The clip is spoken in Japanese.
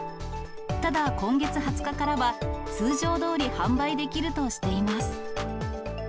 ただ、今月２０日からは、通常どおり販売できるとしています。